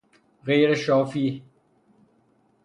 غیر شافی